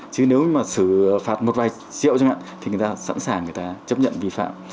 chứ nếu mà xử phạt một vài triệu chẳng hạn thì người ta sẵn sàng người ta chấp nhận vi phạm